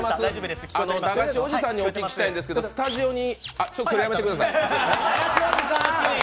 だがしおじさんにお聞きしたいんですけどスタジオにあっ、ちょっとそれやめてください。